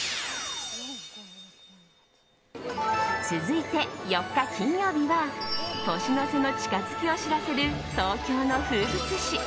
続いて、４日金曜日は年の瀬の近づきを知らせる東京の風物詩。